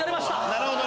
なるほど！